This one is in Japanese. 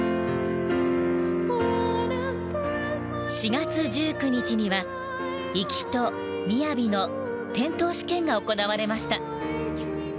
４月１９日には粋と雅の点灯試験が行われました。